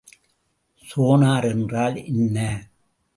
Sonar என்றால் என்ன?